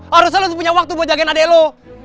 harusnya lo tuh punya waktu buat jagain adek lo